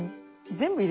全部？